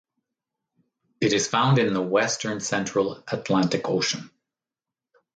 It is found in the western central Atlantic Ocean.